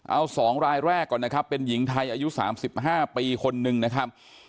เอา๒รายแรกก่อนนะครับเป็นหญิงไทยอายุ๓๕ปีคนนึงนะครับ